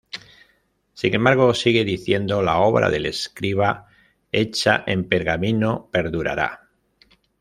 Sin embargo, sigue diciendo, la obra del escriba, hecha en pergamino, perdurará.